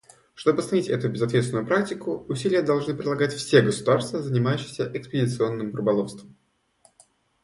Чтобы остановить эту безответственную практику, усилия должны прилагать все государства, занимающиеся экспедиционным рыболовством.